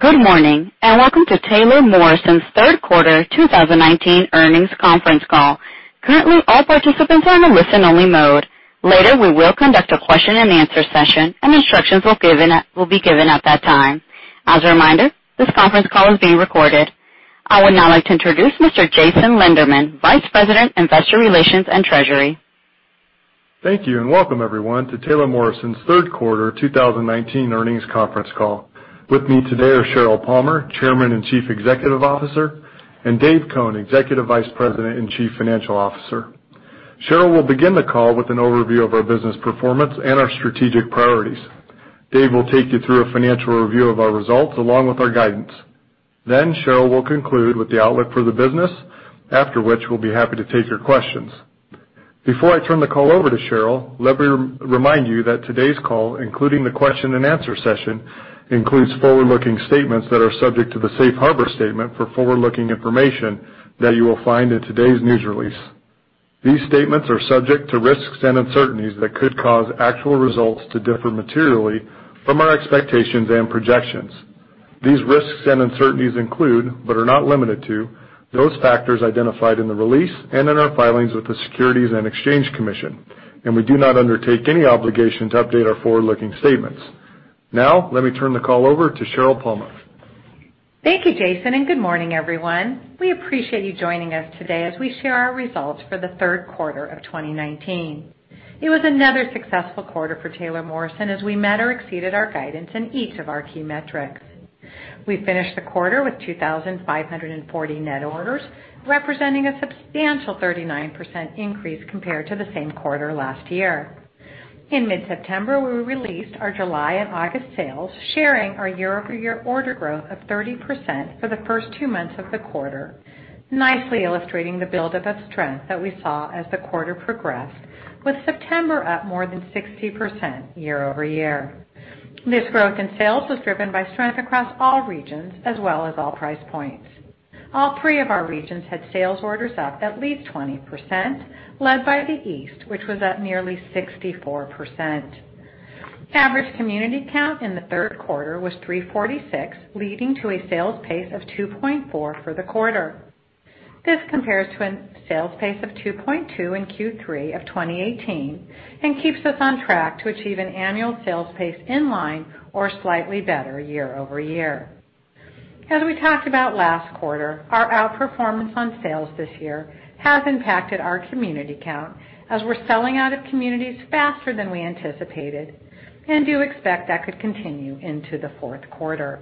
Good morning and welcome to Taylor Morrison's third quarter 2019 earnings conference call. Currently, all participants are in a listen-only mode. Later, we will conduct a question-and-answer session, and instructions will be given at that time. As a reminder, this conference call is being recorded. I would now like to introduce Mr. Jason Lenderman, Vice President, Investor Relations and Treasury. Thank you and welcome, everyone, to Taylor Morrison's third quarter 2019 earnings conference call. With me today are Sheryl Palmer, Chairman and Chief Executive Officer, and Dave Cone, Executive Vice President and Chief Financial Officer. Sheryl will begin the call with an overview of our business performance and our strategic priorities. Dave will take you through a financial review of our results along with our guidance. Then, Sheryl will conclude with the outlook for the business, after which we'll be happy to take your questions. Before I turn the call over to Sheryl, let me remind you that today's call, including the question-and-answer session, includes forward-looking statements that are subject to the Safe Harbor Statement for forward-looking information that you will find in today's news release. These statements are subject to risks and uncertainties that could cause actual results to differ materially from our expectations and projections. These risks and uncertainties include, but are not limited to, those factors identified in the release and in our filings with the Securities and Exchange Commission, and we do not undertake any obligation to update our forward-looking statements. Now, let me turn the call over to Sheryl Palmer. Thank you, Jason, and good morning, everyone. We appreciate you joining us today as we share our results for the third quarter of 2019. It was another successful quarter for Taylor Morrison as we met or exceeded our guidance in each of our key metrics. We finished the quarter with 2,540 net orders, representing a substantial 39% increase compared to the same quarter last year. In mid-September, we released our July and August sales, sharing our year-over-year order growth of 30% for the first two months of the quarter, nicely illustrating the buildup of strength that we saw as the quarter progressed, with September up more than 60% year-over-year. This growth in sales was driven by strength across all regions as well as all price points. All three of our regions had sales orders up at least 20%, led by the East, which was up nearly 64%. Average community count in the third quarter was 346, leading to a sales pace of 2.4 for the quarter. This compares to a sales pace of 2.2 in Q3 of 2018 and keeps us on track to achieve an annual sales pace in line or slightly better year-over-year. As we talked about last quarter, our outperformance on sales this year has impacted our community count as we're selling out of communities faster than we anticipated and do expect that could continue into the fourth quarter.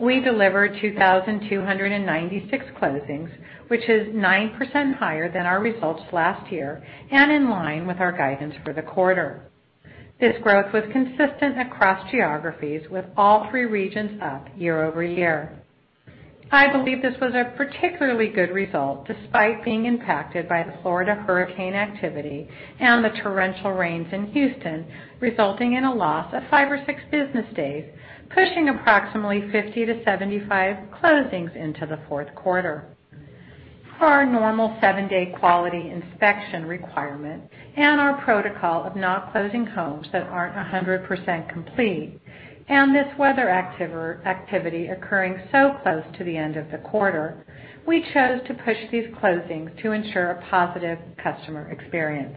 We delivered 2,296 closings, which is 9% higher than our results last year and in line with our guidance for the quarter. This growth was consistent across geographies, with all three regions up year-over-year. I believe this was a particularly good result despite being impacted by the Florida hurricane activity and the torrential rains in Houston, resulting in a loss of five or six business days, pushing approximately 50-75 closings into the fourth quarter. Our normal seven-day quality inspection requirement and our protocol of not closing homes that aren't 100% complete, and this weather activity occurring so close to the end of the quarter, we chose to push these closings to ensure a positive customer experience.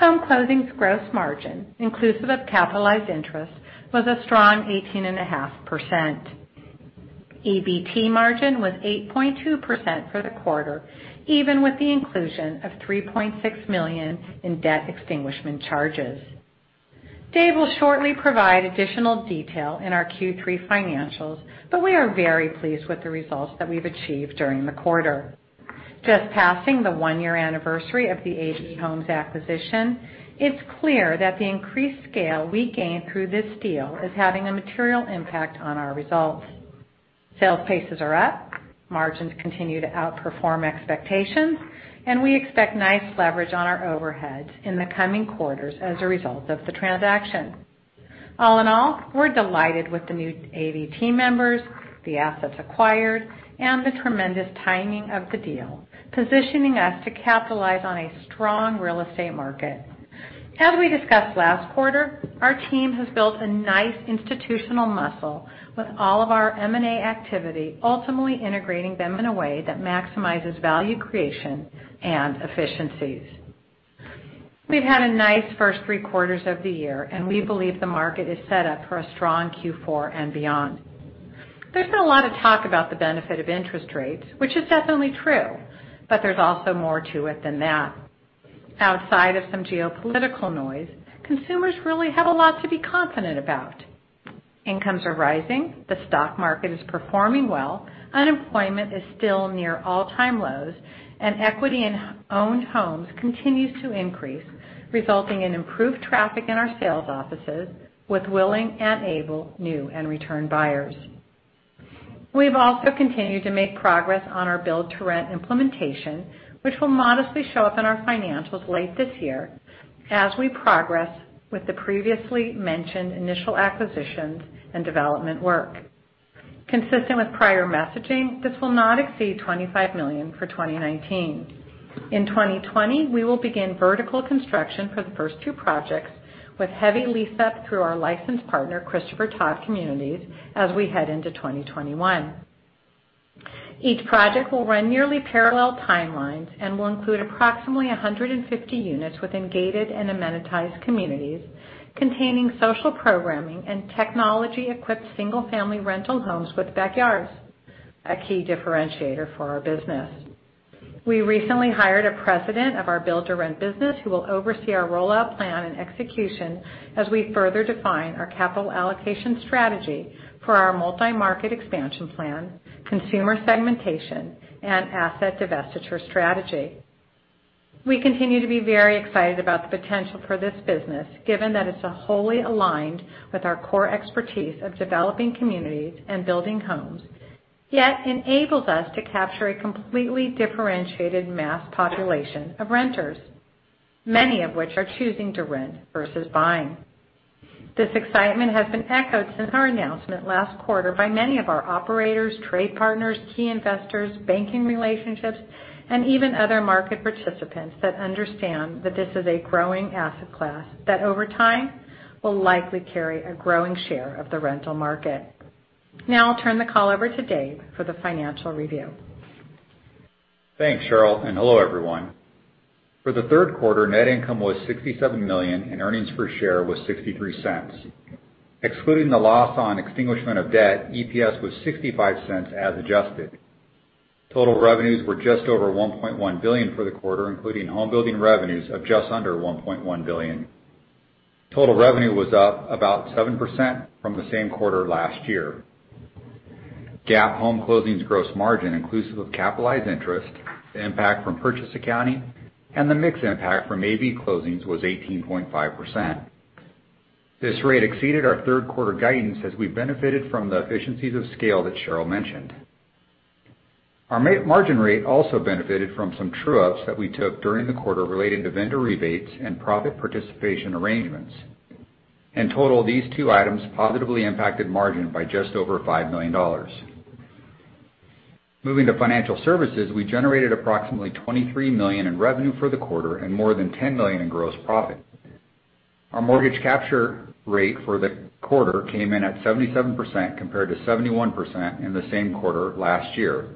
Home closings gross margin, inclusive of capitalized interest, was a strong 18.5%. EBT margin was 8.2% for the quarter, even with the inclusion of $3.6 million in debt extinguishment charges. Dave will shortly provide additional detail in our Q3 financials, but we are very pleased with the results that we've achieved during the quarter. Just passing the one-year anniversary of the AV Homes acquisition, it's clear that the increased scale we gained through this deal is having a material impact on our results. Sales paces are up, margins continue to outperform expectations, and we expect nice leverage on our overheads in the coming quarters as a result of the transaction. All in all, we're delighted with the new AV team members, the assets acquired, and the tremendous timing of the deal, positioning us to capitalize on a strong real estate market. As we discussed last quarter, our team has built a nice institutional muscle, with all of our M&A activity ultimately integrating them in a way that maximizes value creation and efficiencies. We've had a nice first three quarters of the year, and we believe the market is set up for a strong Q4 and beyond. There's been a lot of talk about the benefit of interest rates, which is definitely true, but there's also more to it than that. Outside of some geopolitical noise, consumers really have a lot to be confident about. Incomes are rising, the stock market is performing well, unemployment is still near all-time lows, and equity in owned homes continues to increase, resulting in improved traffic in our sales offices with willing and able new and returned buyers. We've also continued to make progress on our build-to-rent implementation, which will modestly show up in our financials late this year as we progress with the previously mentioned initial acquisitions and development work. Consistent with prior messaging, this will not exceed $25 million for 2019. In 2020, we will begin vertical construction for the first two projects with heavy lease-up through our licensed partner, Christopher Todd Communities, as we head into 2021. Each project will run nearly parallel timelines and will include approximately 150 units within gated and amenitized communities containing social programming and technology-equipped single-family rental homes with backyards, a key differentiator for our business. We recently hired a president of our build-to-rent business who will oversee our rollout plan and execution as we further define our capital allocation strategy for our multi-market expansion plan, consumer segmentation, and asset divestiture strategy. We continue to be very excited about the potential for this business, given that it's wholly aligned with our core expertise of developing communities and building homes, yet enables us to capture a completely differentiated mass population of renters, many of which are choosing to rent versus buying. This excitement has been echoed since our announcement last quarter by many of our operators, trade partners, key investors, banking relationships, and even other market participants that understand that this is a growing asset class that over time will likely carry a growing share of the rental market. Now I'll turn the call over to Dave for the financial review. Thanks, Sheryl, and hello, everyone. For the third quarter, net income was $67 million, and earnings per share was $0.63. Excluding the loss on extinguishment of debt, EPS was $0.65 as adjusted. Total revenues were just over $1.1 billion for the quarter, including home building revenues of just under $1.1 billion. Total revenue was up about 7% from the same quarter last year. GAAP home closings gross margin, inclusive of capitalized interest, the impact from purchase accounting, and the mixed impact from AB closings was 18.5%. This rate exceeded our third quarter guidance as we benefited from the efficiencies of scale that Sheryl mentioned. Our margin rate also benefited from some true-ups that we took during the quarter relating to vendor rebates and profit participation arrangements. In total, these two items positively impacted margin by just over $5 million. Moving to financial services, we generated approximately $23 million in revenue for the quarter and more than $10 million in gross profit. Our mortgage capture rate for the quarter came in at 77% compared to 71% in the same quarter last year.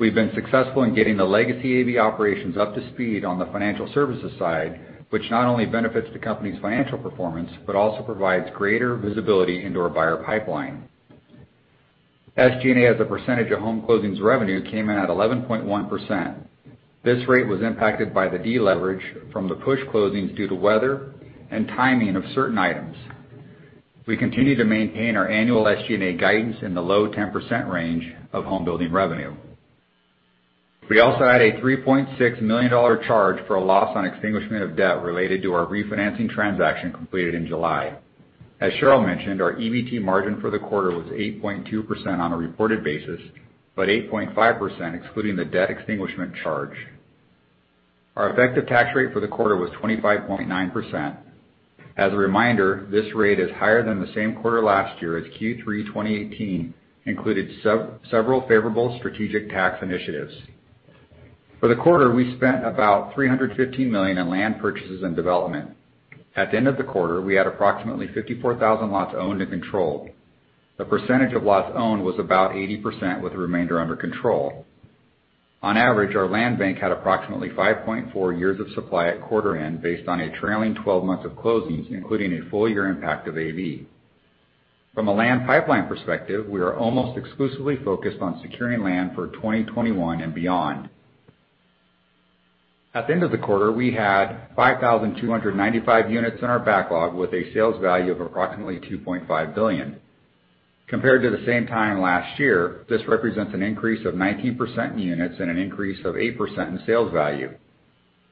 We've been successful in getting the legacy AB operations up to speed on the financial services side, which not only benefits the company's financial performance but also provides greater visibility into our buyer pipeline. SG&A as a percentage of home closings revenue came in at 11.1%. This rate was impacted by the deleverage from the push closings due to weather and timing of certain items. We continue to maintain our annual SG&A guidance in the low 10% range of home building revenue. We also had a $3.6 million charge for a loss on extinguishment of debt related to our refinancing transaction completed in July. As Sheryl mentioned, our EBT margin for the quarter was 8.2% on a reported basis, but 8.5% excluding the debt extinguishment charge. Our effective tax rate for the quarter was 25.9%. As a reminder, this rate is higher than the same quarter last year, as Q3 2018 included several favorable strategic tax initiatives. For the quarter, we spent about $315 million in land purchases and development. At the end of the quarter, we had approximately 54,000 lots owned and controlled. The percentage of lots owned was about 80% with the remainder under control. On average, our land bank had approximately 5.4 years of supply at quarter-end based on a trailing 12 months of closings, including a full-year impact of AB. From a land pipeline perspective, we are almost exclusively focused on securing land for 2021 and beyond. At the end of the quarter, we had 5,295 units in our backlog with a sales value of approximately $2.5 billion. Compared to the same time last year, this represents an increase of 19% in units and an increase of 8% in sales value.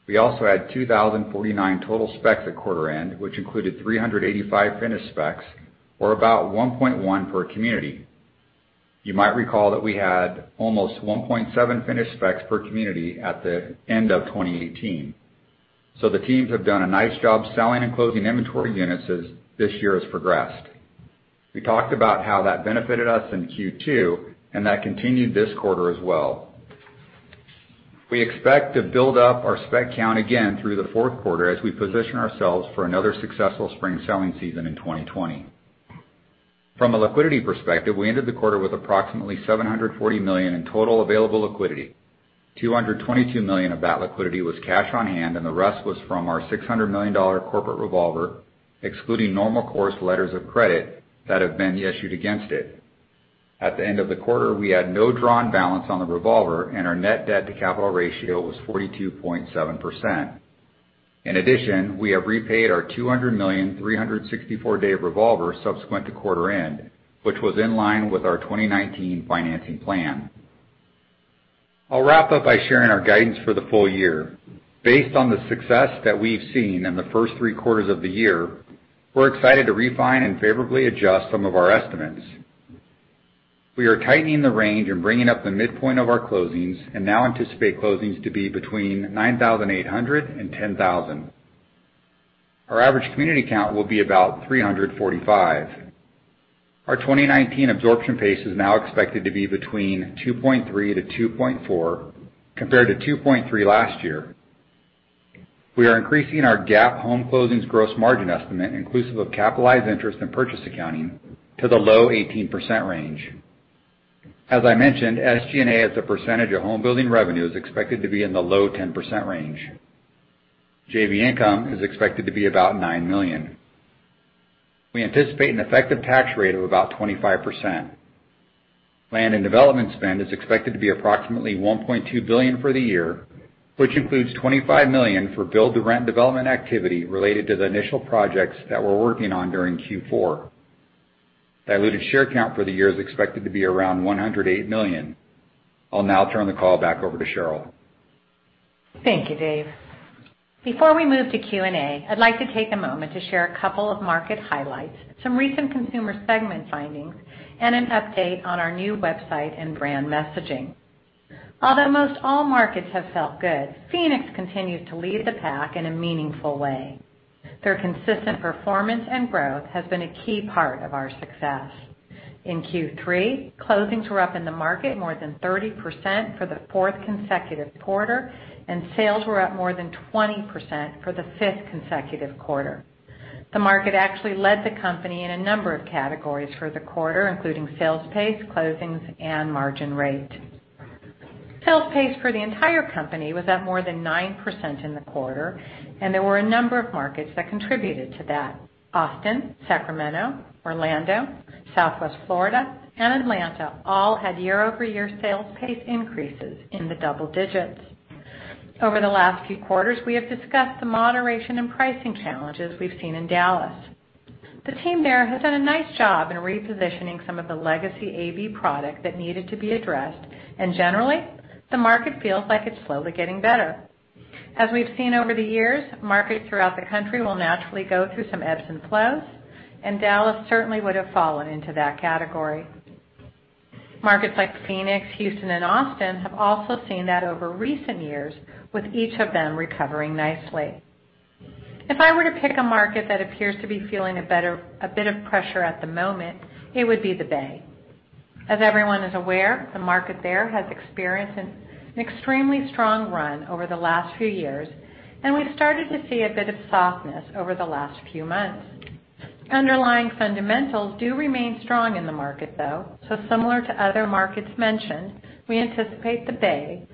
We also had 2,049 total specs at quarter-end, which included 385 finished specs, or about 1.1 per community. You might recall that we had almost 1.7 finished specs per community at the end of 2018. So the teams have done a nice job selling and closing inventory units as this year has progressed. We talked about how that benefited us in Q2 and that continued this quarter as well. We expect to build up our spec count again through the fourth quarter as we position ourselves for another successful spring selling season in 2020. From a liquidity perspective, we ended the quarter with approximately $740 million in total available liquidity. $222 million of that liquidity was cash on hand, and the rest was from our $600 million corporate revolver, excluding normal course letters of credit that have been issued against it. At the end of the quarter, we had no drawn balance on the revolver, and our net debt-to-capital ratio was 42.7%. In addition, we have repaid our $200 million 364-day revolver subsequent to quarter-end, which was in line with our 2019 financing plan. I'll wrap up by sharing our guidance for the full year. Based on the success that we've seen in the first three quarters of the year, we're excited to refine and favorably adjust some of our estimates. We are tightening the range and bringing up the midpoint of our closings and now anticipate closings to be between 9,800 and 10,000. Our average community count will be about 345. Our 2019 absorption pace is now expected to be between 2.3-2.4 compared to 2.3 last year. We are increasing our GAAP home closings gross margin estimate, inclusive of capitalized interest and purchase accounting, to the low 18% range. As I mentioned, SG&A has a percentage of home building revenues expected to be in the low 10% range. JV income is expected to be about $9 million. We anticipate an effective tax rate of about 25%. Land and development spend is expected to be approximately $1.2 billion for the year, which includes $25 million for build-to-rent development activity related to the initial projects that we're working on during Q4. Diluted share count for the year is expected to be around 108 million. I'll now turn the call back over to Sheryl. Thank you, Dave. Before we move to Q&A, I'd like to take a moment to share a couple of market highlights, some recent consumer segment findings, and an update on our new website and brand messaging. Although most all markets have felt good, Phoenix continues to lead the pack in a meaningful way. Their consistent performance and growth has been a key part of our success. In Q3, closings were up in the market more than 30% for the fourth consecutive quarter, and sales were up more than 20% for the fifth consecutive quarter. The market actually led the company in a number of categories for the quarter, including sales pace, closings, and margin rate. Sales pace for the entire company was up more than 9% in the quarter, and there were a number of markets that contributed to that. Austin, Sacramento, Orlando, Southwest Florida, and Atlanta all had year-over-year sales pace increases in the double digits. Over the last few quarters, we have discussed the moderation and pricing challenges we've seen in Dallas. The team there has done a nice job in repositioning some of the legacy AB product that needed to be addressed, and generally, the market feels like it's slowly getting better. As we've seen over the years, markets throughout the country will naturally go through some ebbs and flows, and Dallas certainly would have fallen into that category. Markets like Phoenix, Houston, and Austin have also seen that over recent years, with each of them recovering nicely. If I were to pick a market that appears to be feeling a bit of pressure at the moment, it would be the Bay. As everyone is aware, the market there has experienced an extremely strong run over the last few years, and we've started to see a bit of softness over the last few months. Underlying fundamentals do remain strong in the market, though, so similar to other markets mentioned, we anticipate the Bay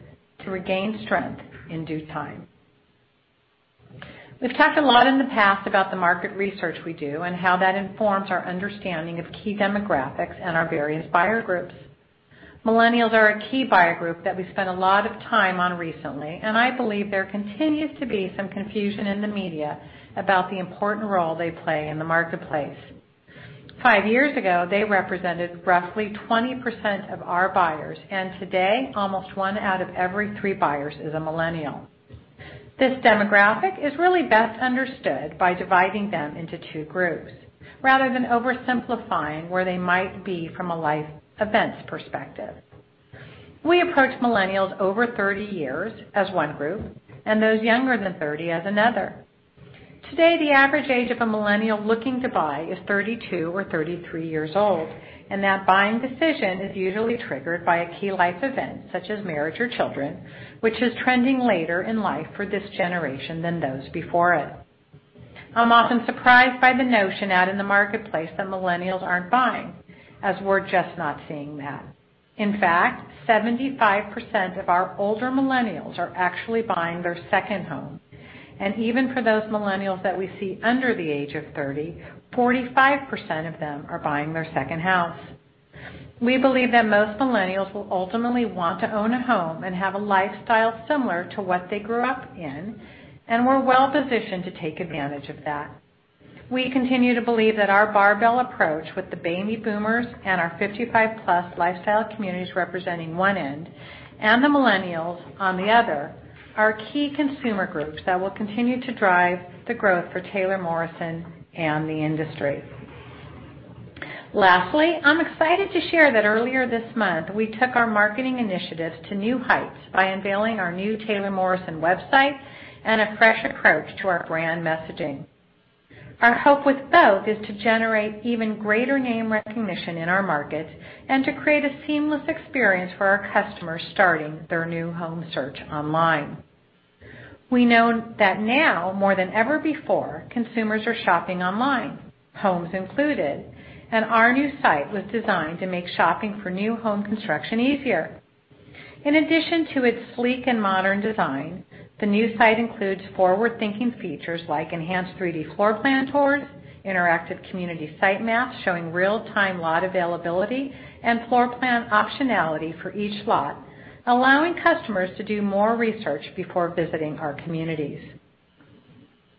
to regain strength in due time. We've talked a lot in the past about the market research we do and how that informs our understanding of key demographics and our various buyer groups. Millennials are a key buyer group that we spent a lot of time on recently, and I believe there continues to be some confusion in the media about the important role they play in the marketplace. Five years ago, they represented roughly 20% of our buyers, and today, almost one out of every three buyers is a millennial. This demographic is really best understood by dividing them into two groups rather than oversimplifying where they might be from a life events perspective. We approach millennials over 30 years as one group and those younger than 30 as another. Today, the average age of a millennial looking to buy is 32 or 33 years old, and that buying decision is usually triggered by a key life event such as marriage or children, which is trending later in life for this generation than those before it. I'm often surprised by the notion out in the marketplace that millennials aren't buying, as we're just not seeing that. In fact, 75% of our older millennials are actually buying their second home, and even for those millennials that we see under the age of 30, 45% of them are buying their second house. We believe that most millennials will ultimately want to own a home and have a lifestyle similar to what they grew up in, and we're well-positioned to take advantage of that. We continue to believe that our barbell approach with the Baby Boomers and our 55-plus lifestyle communities representing one end and the millennials on the other are key consumer groups that will continue to drive the growth for Taylor Morrison and the industry. Lastly, I'm excited to share that earlier this month, we took our marketing initiatives to new heights by unveiling our new Taylor Morrison website and a fresh approach to our brand messaging. Our hope with both is to generate even greater name recognition in our markets and to create a seamless experience for our customers starting their new home search online. We know that now more than ever before, consumers are shopping online, homes included, and our new site was designed to make shopping for new home construction easier. In addition to its sleek and modern design, the new site includes forward-thinking features like enhanced 3D floor plan tours, interactive community site maps showing real-time lot availability, and floor plan optionality for each lot, allowing customers to do more research before visiting our communities.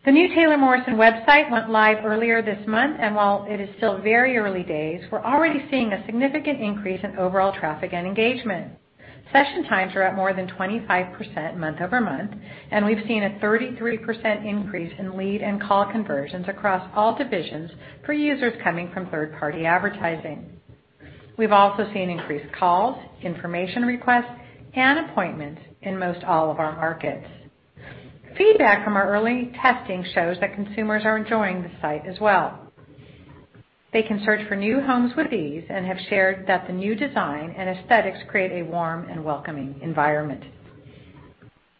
The new Taylor Morrison Website went live earlier this month, and while it is still very early days, we're already seeing a significant increase in overall traffic and engagement. Session times are up more than 25% month over month, and we've seen a 33% increase in lead and call conversions across all divisions for users coming from third-party advertising. We've also seen increased calls, information requests, and appointments in most all of our markets. Feedback from our early testing shows that consumers are enjoying the site as well. They can search for new homes with ease and have shared that the new design and aesthetics create a warm and welcoming environment.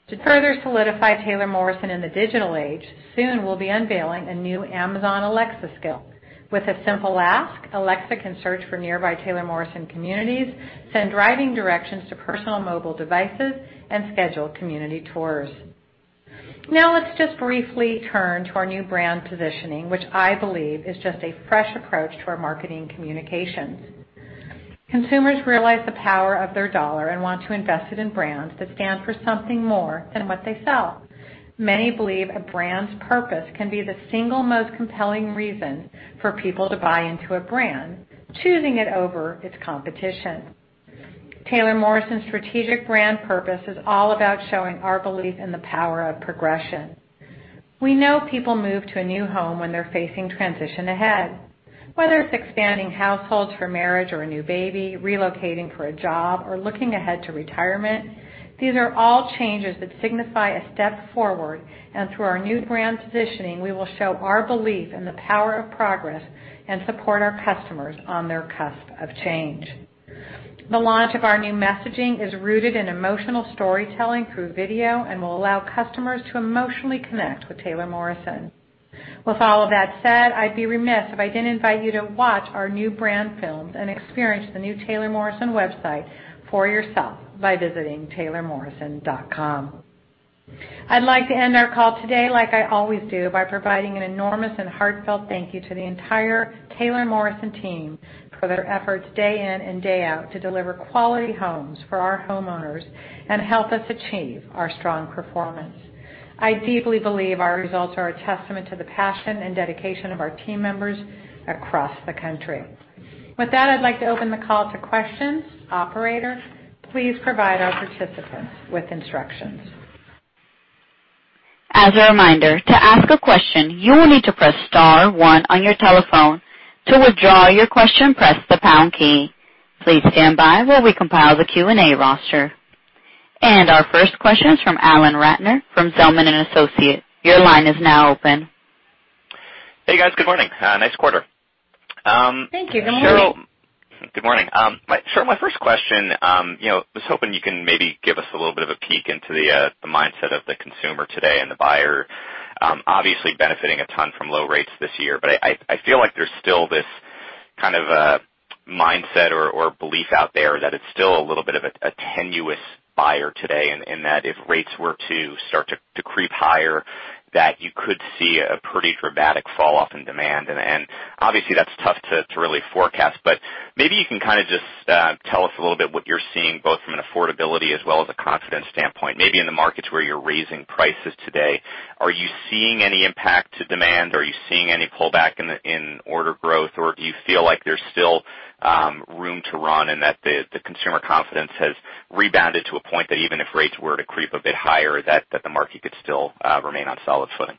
To further solidify Taylor Morrison in the digital age, soon we'll be unveiling a new Amazon Alexa skill. With a simple ask, Alexa can search for nearby Taylor Morrison communities, send driving directions to personal mobile devices, and schedule community tours. Now let's just briefly turn to our new brand positioning, which I believe is just a fresh approach to our marketing communications. Consumers realize the power of their dollar and want to invest in brands that stand for something more than what they sell. Many believe a brand's purpose can be the single most compelling reason for people to buy into a brand, choosing it over its competition. Taylor Morrison's strategic brand purpose is all about showing our belief in the power of progression. We know people move to a new home when they're facing transition ahead. Whether it's expanding households for marriage or a new baby, relocating for a job, or looking ahead to retirement, these are all changes that signify a step forward, and through our new brand positioning, we will show our belief in the power of progress and support our customers on their cusp of change. The launch of our new messaging is rooted in emotional storytelling through video and will allow customers to emotionally connect with Taylor Morrison. With all of that said, I'd be remiss if I didn't invite you to watch our new brand films and experience the new Taylor Morrison website for yourself by visiting taylormorrison.com. I'd like to end our call today like I always do by providing an enormous and heartfelt thank you to the entire Taylor Morrison team for their efforts day in and day out to deliver quality homes for our homeowners and help us achieve our strong performance. I deeply believe our results are a testament to the passion and dedication of our team members across the country. With that, I'd like to open the call to questions. Operator, please provide our participants with instructions. As a reminder, to ask a question, you will need to press star one on your telephone. To withdraw your question, press the pound key. Please stand by while we compile the Q&A roster. And our first question is from Alan Ratner from Zelman & Associates. Your line is now open. Hey, guys. Good morning. Nice quarter. Thank you. Good morning. Good morning. Sure, my first question, I was hoping you can maybe give us a little bit of a peek into the mindset of the consumer today and the buyer. Obviously, benefiting a ton from low rates this year, but I feel like there's still this kind of mindset or belief out there that it's still a little bit of a tenuous buyer today in that if rates were to start to creep higher, that you could see a pretty dramatic fall off in demand. And obviously, that's tough to really forecast, but maybe you can kind of just tell us a little bit what you're seeing both from an affordability as well as a confidence standpoint. Maybe in the markets where you're raising prices today, are you seeing any impact to demand? Are you seeing any pullback in order growth, or do you feel like there's still room to run and that the consumer confidence has rebounded to a point that even if rates were to creep a bit higher, that the market could still remain on solid footing?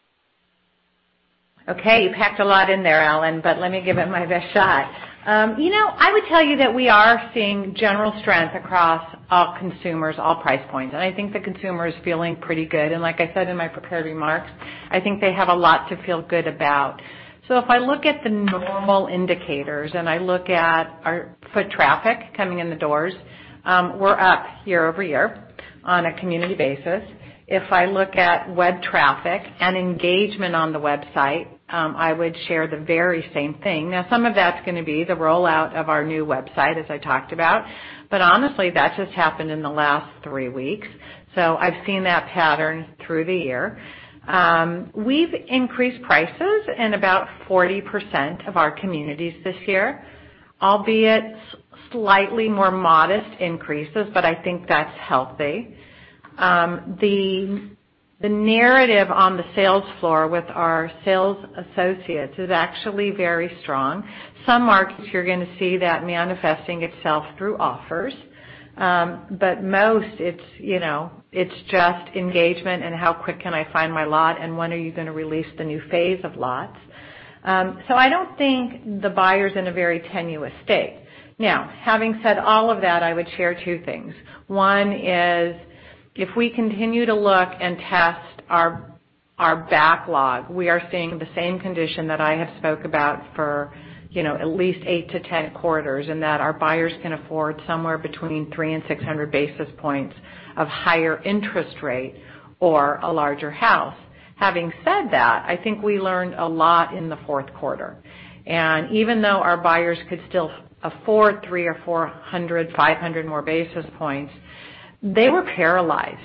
Okay. You packed a lot in there, Alan, but let me give it my best shot. I would tell you that we are seeing general strength across all consumers, all price points, and I think the consumer is feeling pretty good, and like I said in my prepared remarks, I think they have a lot to feel good about, so if I look at the normal indicators and I look at our foot traffic coming in the doors, we're up year over year on a community basis. If I look at web traffic and engagement on the website, I would share the very same thing. Now, some of that's going to be the rollout of our new website, as I talked about, but honestly, that just happened in the last three weeks, so I've seen that pattern through the year. We've increased prices in about 40% of our communities this year, albeit slightly more modest increases, but I think that's healthy. The narrative on the sales floor with our sales associates is actually very strong. Some markets, you're going to see that manifesting itself through offers, but most, it's just engagement and how quick can I find my lot and when are you going to release the new phase of lots. So I don't think the buyer's in a very tenuous state. Now, having said all of that, I would share two things. One is if we continue to look and test our backlog, we are seeing the same condition that I have spoke about for at least eight to 10 quarters and that our buyers can afford somewhere between 300 and 600 basis points of higher interest rate or a larger house. Having said that, I think we learned a lot in the fourth quarter. And even though our buyers could still afford three or four hundred, five hundred more basis points, they were paralyzed.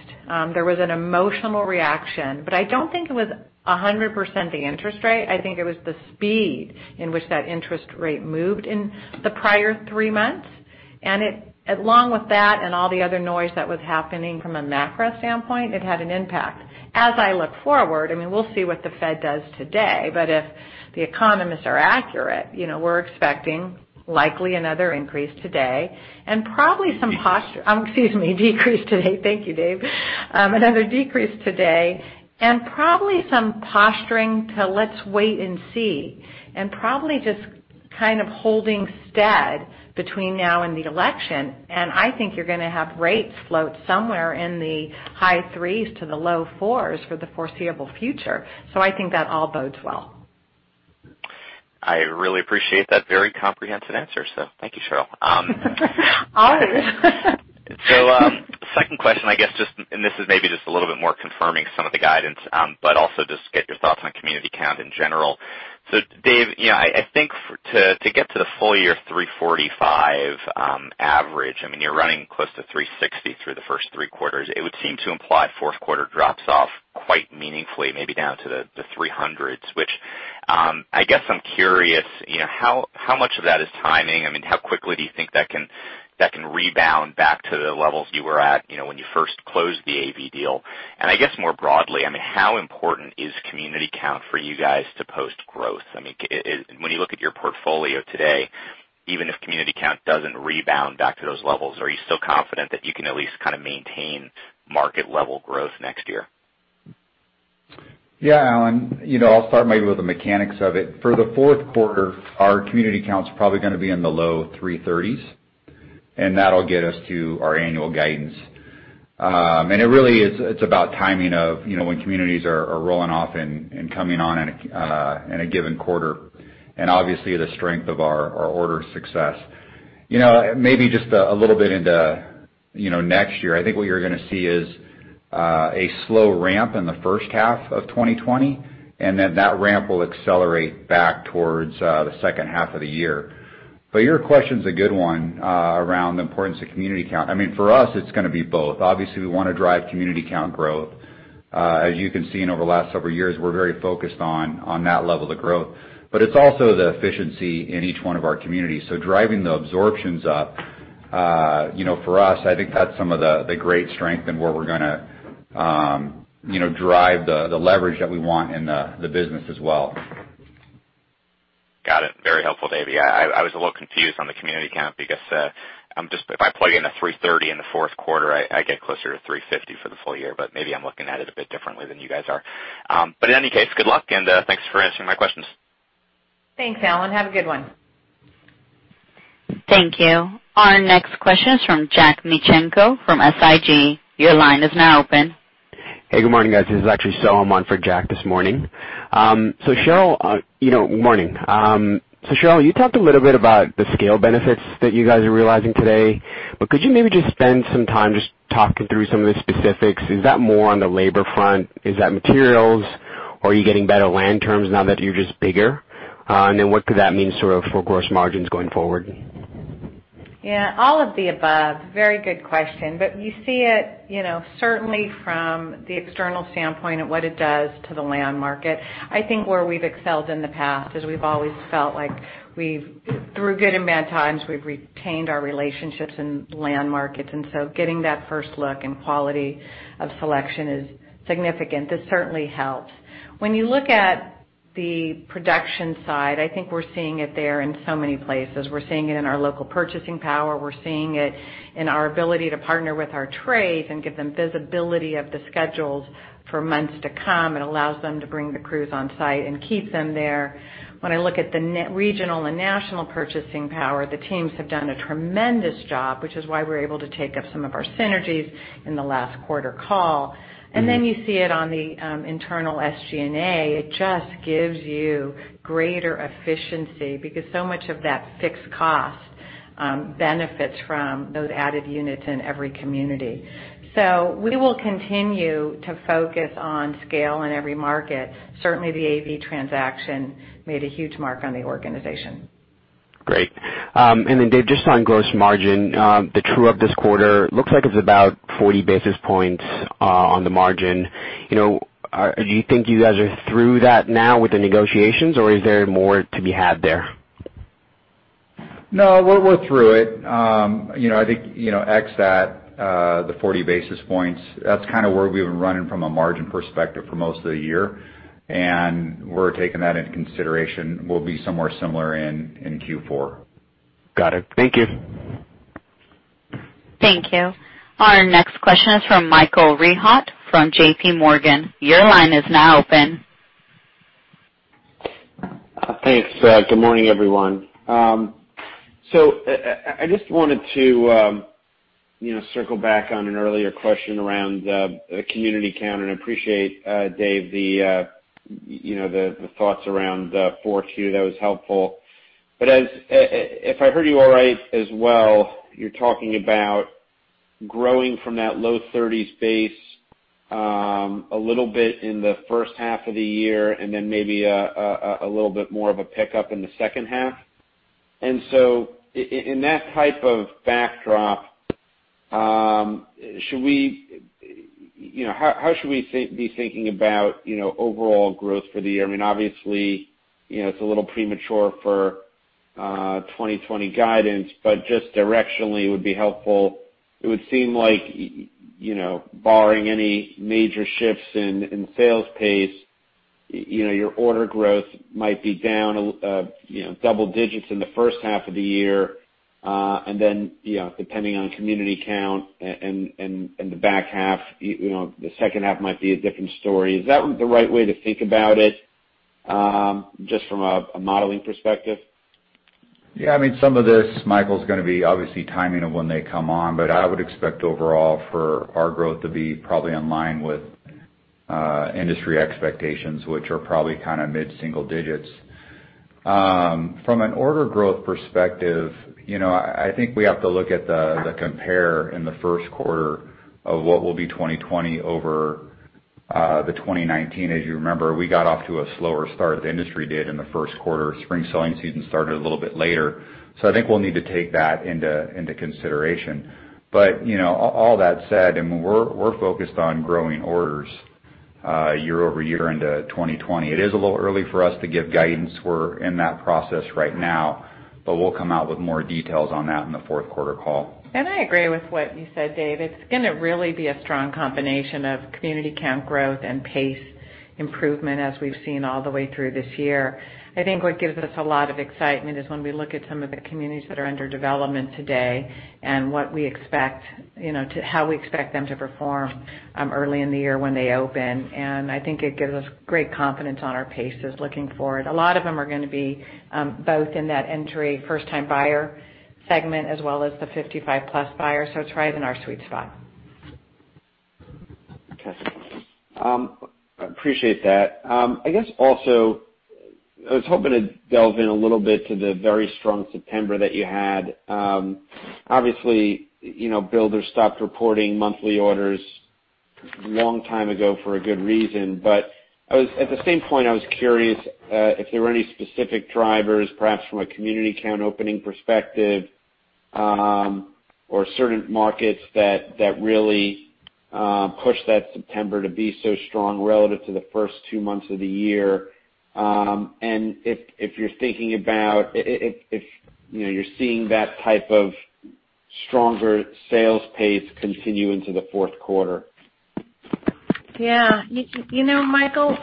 There was an emotional reaction, but I don't think it was 100% the interest rate. I think it was the speed in which that interest rate moved in the prior three months. And along with that and all the other noise that was happening from a macro standpoint, it had an impact. As I look forward, I mean, we'll see what the Fed does today, but if the economists are accurate, we're expecting likely another increase today and probably some posture, excuse me, decrease today. Thank you, Dave. Another decrease today and probably some posturing to, "Let's wait and see," and probably just kind of holding stead between now and the election. I think you're going to have rates float somewhere in the high threes to the low fours for the foreseeable future. I think that all bodes well. I really appreciate that very comprehensive answer, so thank you, Sheryl. Always. Second question, I guess, just—and this is maybe just a little bit more confirming some of the guidance, but also just get your thoughts on community count in general. Dave, I think to get to the full year 345 average, I mean, you're running close to 360 through the first three quarters. It would seem to imply fourth quarter drops off quite meaningfully, maybe down to the 300s, which I guess I'm curious how much of that is timing. I mean, how quickly do you think that can rebound back to the levels you were at when you first closed the AV deal? And I guess more broadly, I mean, how important is community count for you guys to post growth? I mean, when you look at your portfolio today, even if community count doesn't rebound back to those levels, are you still confident that you can at least kind of maintain market-level growth next year? Yeah, Alan. I'll start maybe with the mechanics of it. For the fourth quarter, our community count's probably going to be in the low 330s, and that'll get us to our annual guidance. And it really is about timing of when communities are rolling off and coming on in a given quarter and obviously the strength of our order success. Maybe just a little bit into next year, I think what you're going to see is a slow ramp in the first half of 2020, and then that ramp will accelerate back towards the second half of the year. But your question's a good one around the importance of community count. I mean, for us, it's going to be both. Obviously, we want to drive community count growth. As you can see, over the last several years, we're very focused on that level of growth, but it's also the efficiency in each one of our communities, so driving the absorptions up for us, I think that's some of the great strength and where we're going to drive the leverage that we want in the business as well. Got it. Very helpful, Dave. Yeah, I was a little confused on the community count because if I plug in a 330 in the fourth quarter, I get closer to 350 for the full year, but maybe I'm looking at it a bit differently than you guys are. But in any case, good luck and thanks for answering my questions. Thanks, Alan. Have a good one. Thank you. Our next question is from Jack Micenko from SIG. Your line is now open. Hey, good morning, guys. This is actually So. I'm on for Jack this morning. So, Sheryl, good morning. So, Sheryl, you talked a little bit about the scale benefits that you guys are realizing today, but could you maybe just spend some time just talking through some of the specifics? Is that more on the labor front? Is that materials? Are you getting better land terms now that you're just bigger? And then what could that mean sort of for gross margins going forward? Yeah, all of the above. Very good question. But you see it certainly from the external standpoint of what it does to the land market. I think where we've excelled in the past is we've always felt like through good and bad times, we've retained our relationships in land markets. And so getting that first look and quality of selection is significant. This certainly helps. When you look at the production side, I think we're seeing it there in so many places. We're seeing it in our local purchasing power. We're seeing it in our ability to partner with our trades and give them visibility of the schedules for months to come. It allows them to bring the crews on site and keep them there. When I look at the regional and national purchasing power, the teams have done a tremendous job, which is why we're able to take up some of our synergies in the last quarter call. And then you see it on the internal SG&A. It just gives you greater efficiency because so much of that fixed cost benefits from those added units in every community. So we will continue to focus on scale in every market. Certainly, the AV transaction made a huge mark on the organization. Great. And then, Dave, just on gross margin, the true up this quarter looks like it's about 40 basis points on the margin. Do you think you guys are through that now with the negotiations, or is there more to be had there? No, we're through it. I think except that the 40 basis points, that's kind of where we've been running from a margin perspective for most of the year, and we're taking that into consideration. We'll be somewhere similar in Q4. Got it. Thank you. Thank you. Our next question is from Michael Rehaut from J.P. Morgan. Your line is now open. Thanks. Good morning, everyone. I just wanted to circle back on an earlier question around the community count, and I appreciate, Dave, the thoughts around the fourth quarter. That was helpful. But if I heard you all right as well, you're talking about growing from that low 30s base a little bit in the first half of the year and then maybe a little bit more of a pickup in the second half. In that type of backdrop, how should we be thinking about overall growth for the year? I mean, obviously, it's a little premature for 2020 guidance, but just directionally, it would be helpful. It would seem like barring any major shifts in sales pace, your order growth might be down double digits in the first half of the year. And then depending on community count and the back half, the second half might be a different story. Is that the right way to think about it just from a modeling perspective? Yeah. I mean, some of this, Michael's going to be obviously timing of when they come on, but I would expect overall for our growth to be probably in line with industry expectations, which are probably kind of mid-single digits. From an order growth perspective, I think we have to look at the compare in the first quarter of what will be 2020 over the 2019. As you remember, we got off to a slower start as the industry did in the first quarter. Spring selling season started a little bit later. So I think we'll need to take that into consideration. But all that said, I mean, we're focused on growing orders year over year into 2020. It is a little early for us to give guidance. We're in that process right now, but we'll come out with more details on that in the fourth quarter call. And I agree with what you said, Dave. It's going to really be a strong combination of community count growth and pace improvement as we've seen all the way through this year. I think what gives us a lot of excitement is when we look at some of the communities that are under development today and what we expect, how we expect them to perform early in the year when they open. And I think it gives us great confidence on our paces looking forward. A lot of them are going to be both in that entry first-time buyer segment as well as the 55-plus buyer. So it's right in our sweet spot. Okay. I appreciate that. I guess also I was hoping to delve in a little bit to the very strong September that you had. Obviously, builders stopped reporting monthly orders a long time ago for a good reason. But at the same point, I was curious if there were any specific drivers, perhaps from a community count opening perspective or certain markets that really pushed that September to be so strong relative to the first two months of the year. And if you're thinking about if you're seeing that type of stronger sales pace continue into the fourth quarter? Yeah. You know, Michael,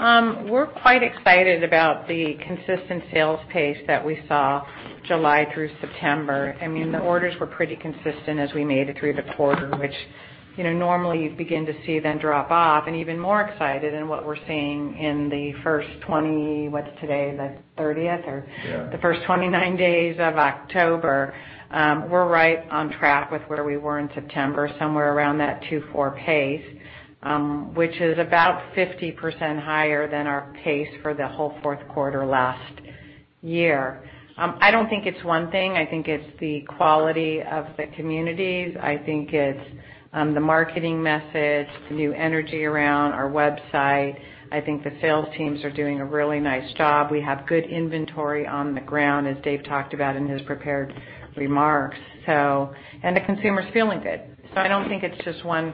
we're quite excited about the consistent sales pace that we saw July through September. I mean, the orders were pretty consistent as we made it through the quarter, which normally you begin to see then drop off. And even more excited than what we're seeing in the first 20—what's today? The 30th or the first 29 days of October. We're right on track with where we were in September, somewhere around that 24 pace, which is about 50% higher than our pace for the whole fourth quarter last year. I don't think it's one thing. I think it's the quality of the communities. I think it's the marketing message, the new energy around our website. I think the sales teams are doing a really nice job. We have good inventory on the ground, as Dave talked about in his prepared remarks. And the consumer's feeling good. So I don't think it's just one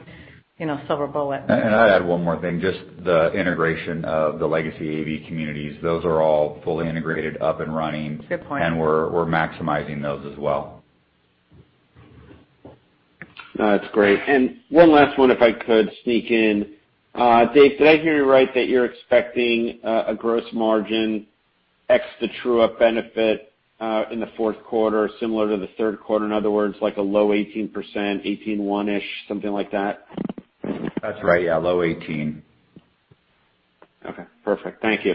silver bullet. I'd add one more thing, just the integration of the legacy AV communities. Those are all fully integrated, up and running. Good point. We're maximizing those as well. That's great. And one last one, if I could sneak in. Dave, did I hear you right that you're expecting a gross margin ex the true up benefit in the fourth quarter, similar to the third quarter? In other words, like a low 18%, 18.1-ish%, something like that? That's right. Yeah, low 18. Okay. Perfect. Thank you.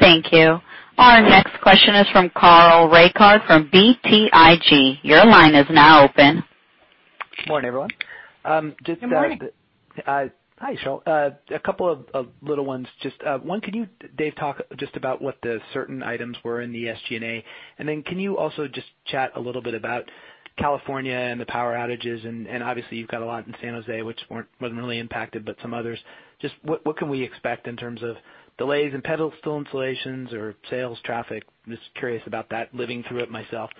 Thank you. Our next question is from Carl Reichardt from BTIG. Your line is now open. Good morning, everyone. Good morning. Hi, Sheryl. A couple of little ones. Just one. Could you, Dave, talk just about what the certain items were in the SG&A? And then can you also just chat a little bit about California and the power outages? And obviously, you've got a lot in San Jose, which wasn't really impacted, but some others. Just what can we expect in terms of delays in pedestal installations or sales traffic? Just curious about that, living through it myself.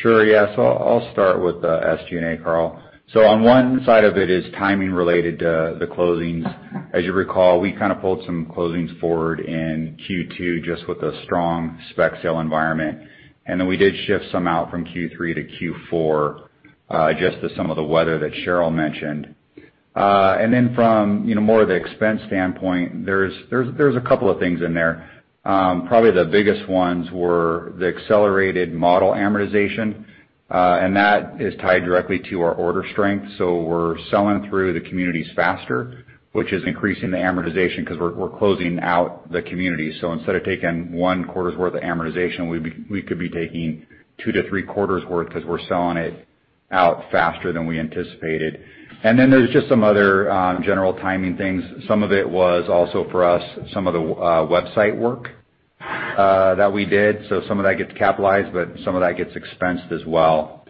Sure. Yeah. So I'll start with the SG&A, Carl. So on one side of it is timing related to the closings. As you recall, we kind of pulled some closings forward in Q2 just with a strong spec sale environment. And then we did shift some out from Q3-Q4 just to some of the weather that Sheryl mentioned. And then from more of the expense standpoint, there's a couple of things in there. Probably the biggest ones were the accelerated model amortization, and that is tied directly to our order strength. So we're selling through the communities faster, which is increasing the amortization because we're closing out the communities. So instead of taking one quarter's worth of amortization, we could be taking two to three quarters' worth because we're selling it out faster than we anticipated. And then there's just some other general timing things. Some of it was also for us, some of the website work that we did, so some of that gets capitalized, but some of that gets expensed as well,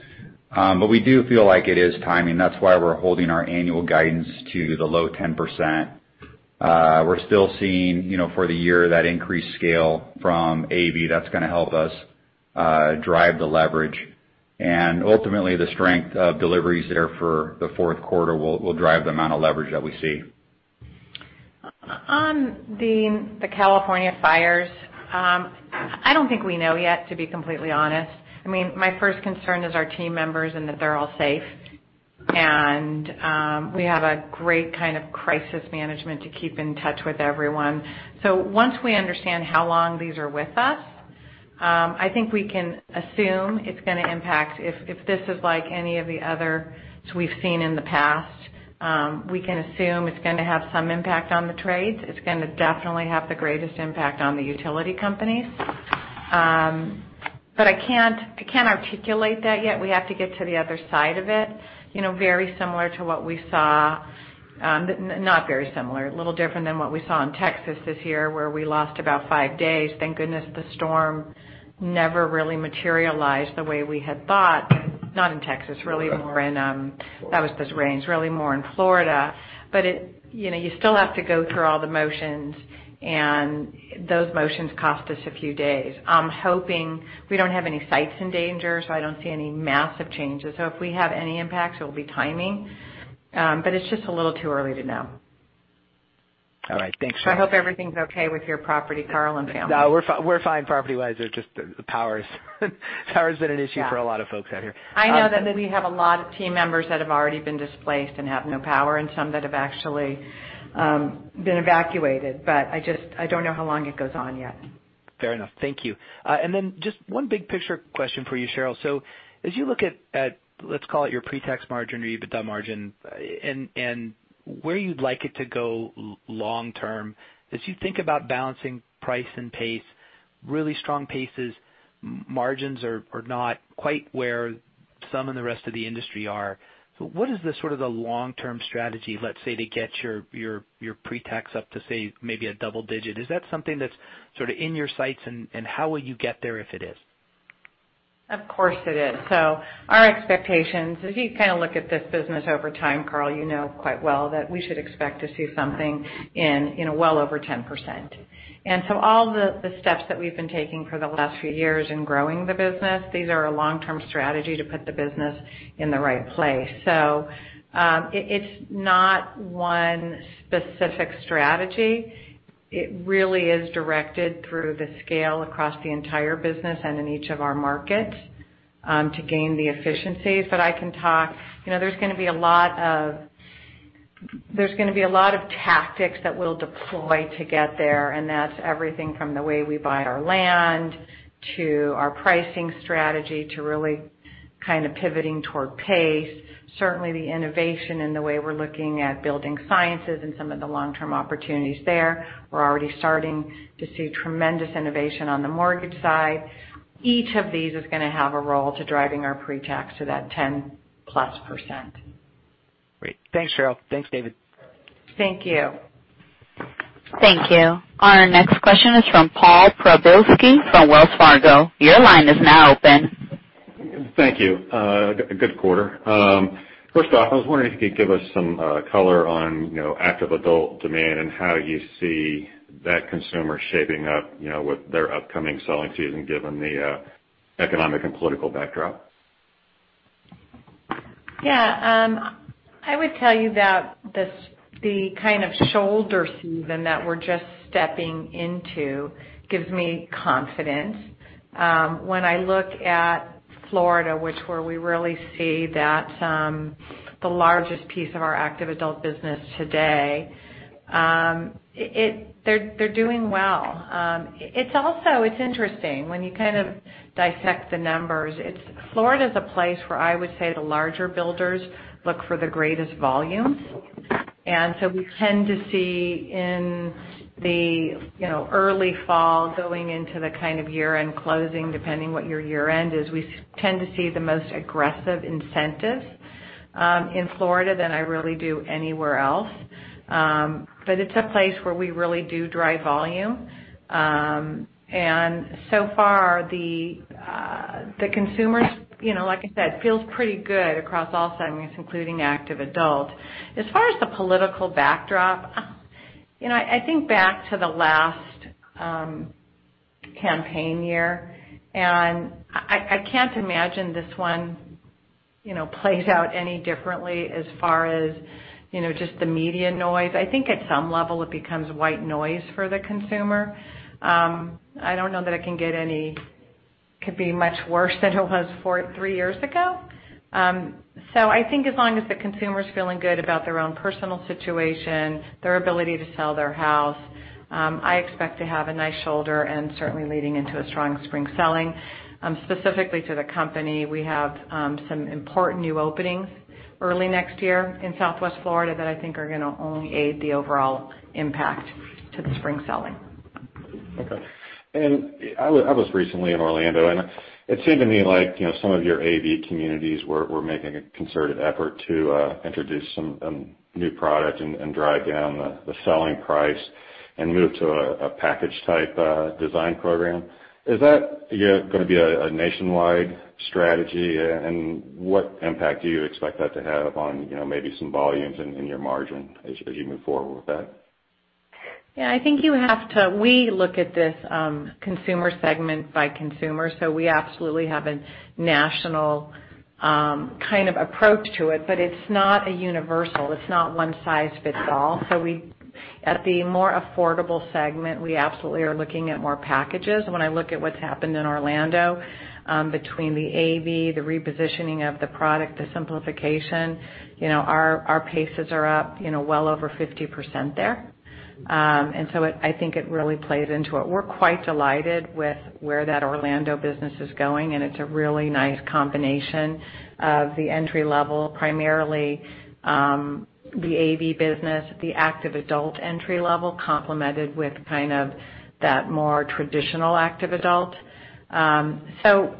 but we do feel like it is timing. That's why we're holding our annual guidance to the low 10%. We're still seeing for the year that increased scale from AV. That's going to help us drive the leverage, and ultimately, the strength of deliveries there for the fourth quarter will drive the amount of leverage that we see. On the California fires, I don't think we know yet, to be completely honest. I mean, my first concern is our team members and that they're all safe, and we have a great kind of crisis management to keep in touch with everyone, so once we understand how long these are with us, I think we can assume it's going to impact. If this is like any of the others we've seen in the past, we can assume it's going to have some impact on the trades. It's going to definitely have the greatest impact on the utility companies, but I can't articulate that yet. We have to get to the other side of it. Very similar to what we saw, not very similar, a little different than what we saw in Texas this year where we lost about five days. Thank goodness the storm never really materialized the way we had thought. Not in Texas, really. That was the rains. Really more in Florida. But you still have to go through all the motions, and those motions cost us a few days. We don't have any sites in danger, so I don't see any massive changes. So if we have any impacts, it will be timing. But it's just a little too early to know. All right. Thanks, Sheryl. I hope everything's okay with your property, Carl and family. No, we're fine property-wise. It's just the power has been an issue for a lot of folks out here. I know that we have a lot of team members that have already been displaced and have no power, and some that have actually been evacuated. But I don't know how long it goes on yet. Fair enough. Thank you. And then just one big picture question for you, Sheryl. So as you look at, let's call it your pre-tax margin or your EBIT margin, and where you'd like it to go long-term, as you think about balancing price and pace, really strong paces, margins are not quite where some of the rest of the industry are. So what is the sort of the long-term strategy, let's say, to get your pre-tax up to say maybe a double digit? Is that something that's sort of in your sights, and how will you get there if it is? Of course it is. So our expectations, if you kind of look at this business over time, Carl, you know quite well that we should expect to see something in well over 10%. And so all the steps that we've been taking for the last few years in growing the business, these are a long-term strategy to put the business in the right place. So it's not one specific strategy. It really is directed through the scale across the entire business and in each of our markets to gain the efficiencies. But I can talk. There's going to be a lot of tactics that we'll deploy to get there. And that's everything from the way we buy our land to our pricing strategy to really kind of pivoting toward pace. Certainly, the innovation in the way we're looking at building sciences and some of the long-term opportunities there. We're already starting to see tremendous innovation on the mortgage side. Each of these is going to have a role to driving our pre-tax to that 10%. Great. Thanks, Sheryl. Thanks, David. Thank you. Thank you. Our next question is from Paul Przybylski from Wells Fargo. Your line is now open. Thank you. Good quarter. First off, I was wondering if you could give us some color on active adult demand and how you see that consumer shaping up with their upcoming selling season given the economic and political backdrop? Yeah. I would tell you that the kind of shoulder season that we're just stepping into gives me confidence. When I look at Florida, which where we really see that the largest piece of our active adult business today, they're doing well. It's interesting. When you kind of dissect the numbers, Florida is a place where I would say the larger builders look for the greatest volumes. And so we tend to see in the early fall, going into the kind of year-end closing, depending what your year-end is, we tend to see the most aggressive incentives in Florida than I really do anywhere else. But it's a place where we really do drive volume. And so far, the consumers, like I said, feels pretty good across all segments, including active adult. As far as the political backdrop, I think back to the last campaign year, and I can't imagine this one plays out any differently as far as just the media noise. I think at some level it becomes white noise for the consumer. I don't know that it could be much worse than it was three years ago. I think as long as the consumer's feeling good about their own personal situation, their ability to sell their house, I expect to have a nice shoulder and certainly leading into a strong spring selling. Specifically to the company, we have some important new openings early next year in Southwest Florida that I think are going to only aid the overall impact to the spring selling. Okay. And I was recently in Orlando, and it seemed to me like some of your AV communities were making a concerted effort to introduce some new product and drive down the selling price and move to a package-type design program. Is that going to be a nationwide strategy? And what impact do you expect that to have on maybe some volumes and your margin as you move forward with that? Yeah. I think you have to. We look at this consumer segment by consumer. So we absolutely have a national kind of approach to it, but it's not a universal. It's not one size fits all. So at the more affordable segment, we absolutely are looking at more packages. When I look at what's happened in Orlando between the AV, the repositioning of the product, the simplification, our paces are up well over 50% there. And so I think it really plays into it. We're quite delighted with where that Orlando business is going, and it's a really nice combination of the entry-level, primarily the AV business, the active adult entry-level, complemented with kind of that more traditional active adult. So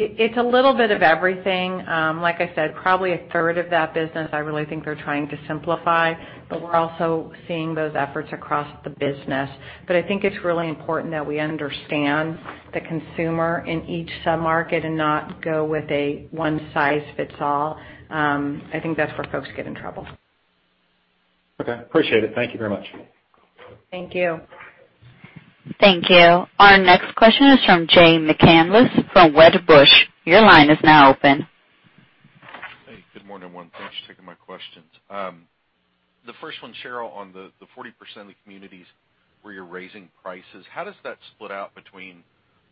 it's a little bit of everything. Like I said, probably a third of that business, I really think they're trying to simplify, but we're also seeing those efforts across the business. But I think it's really important that we understand the consumer in each sub-market and not go with a one size fits all. I think that's where folks get in trouble. Okay. Appreciate it. Thank you very much. Thank you. Thank you. Our next question is from Jay McCanless from Wedbush. Your line is now open. Hey. Good morning, everyone. Thanks for taking my questions. The first one, Sheryl, on the 40% of the communities where you're raising prices, how does that split out between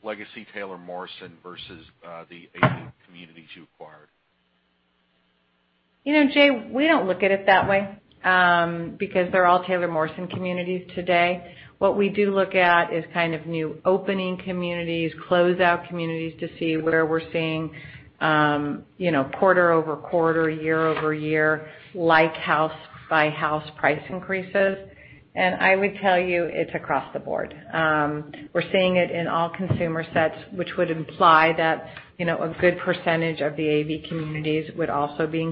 legacy Taylor Morrison versus the AV communities you acquired? Jay, we don't look at it that way because they're all Taylor Morrison communities today. What we do look at is kind of new opening communities, closeout communities to see where we're seeing quarter over quarter, year over year, like house-by-house price increases, and I would tell you it's across the board. We're seeing it in all consumer sets, which would imply that a good percentage of the AV communities would also be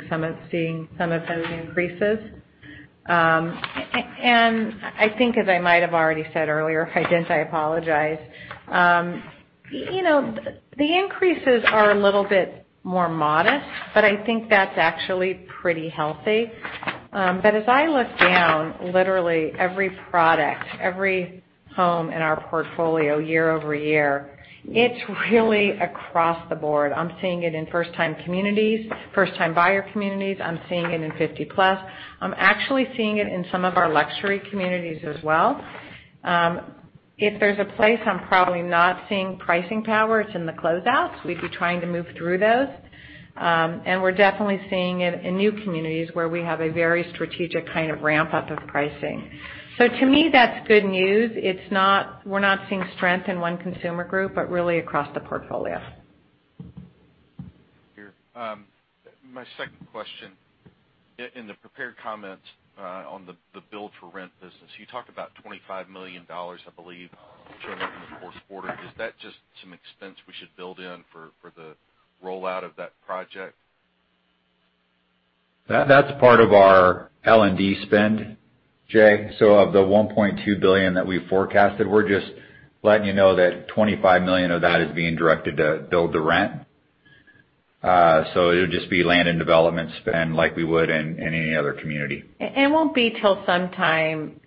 seeing some of those increases. And I think, as I might have already said earlier, I apologize. The increases are a little bit more modest, but I think that's actually pretty healthy, but as I look down, literally every product, every home in our portfolio year over year, it's really across the board. I'm seeing it in first-time communities, first-time buyer communities. I'm seeing it in 55-plus. I'm actually seeing it in some of our luxury communities as well. If there's a place I'm probably not seeing pricing power, it's in the closeouts. We'd be trying to move through those, and we're definitely seeing it in new communities where we have a very strategic kind of ramp-up of pricing, so to me, that's good news. We're not seeing strength in one consumer group, but really across the portfolio. My second question. In the prepared comments on the build-to-rent business, you talked about $25 million, I believe, to an end of the fourth quarter. Is that just some expense we should build in for the rollout of that project? That's part of our L&D spend, Jay. So of the $1.2 billion that we forecasted, we're just letting you know that $25 million of that is being directed to build-to-rent. So it would just be land and development spend like we would in any other community. It won't be till sometime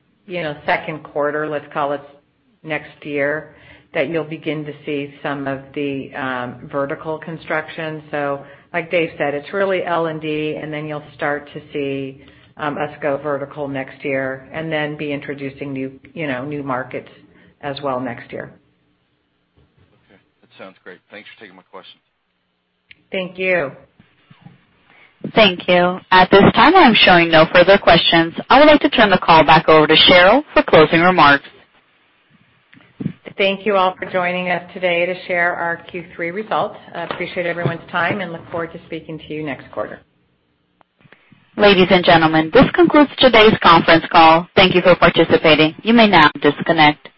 second quarter, let's call it next year, that you'll begin to see some of the vertical construction. So like Dave said, it's really L&D, and then you'll start to see us go vertical next year and then be introducing new markets as well next year. Okay. That sounds great. Thanks for taking my questions. Thank you. Thank you. At this time, I'm showing no further questions. I would like to turn the call back over to Sheryl for closing remarks. Thank you all for joining us today to share our Q3 results. I appreciate everyone's time and look forward to speaking to you next quarter. Ladies and gentlemen, this concludes today's conference call. Thank you for participating. You may now disconnect.